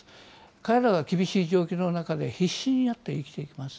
彼らは厳しい状況の中で必死になって生きています。